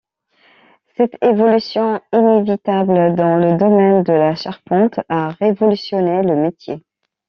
Cette évolution inévitable dans le domaine de la charpente a révolutionné le métier.